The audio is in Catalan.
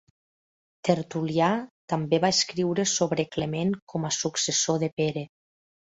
Tertulià també va escriure sobre Clement com a successor de Pere.